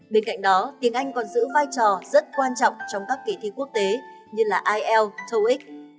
bên cạnh đó tiếng anh còn giữ vai trò rất quan trọng trong các kỳ thi quốc tế như ielts toeic